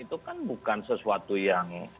itu kan bukan sesuatu yang